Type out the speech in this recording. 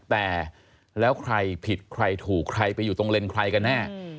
แต่แล้วใครผิดใครถูกใครไปอยู่ตรงเลนใครกันแน่